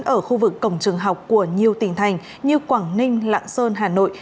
ở khu vực cổng trường học của nhiều tỉnh thành như quảng ninh lạng sơn hà nội